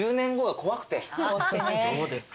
どうですか？